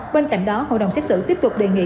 bên cạnh đó hội đồng xét xử tiếp tục đề nghị